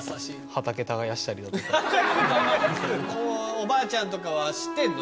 おばあちゃんとかは知ってるの？